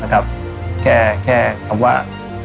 แค่แค่คำว่า